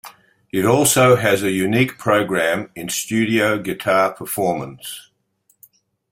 It also has a unique program in studio guitar performance.